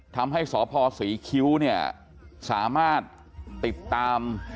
ทำให้สพศรีคิ้วเนี่ยสามารถติดตาม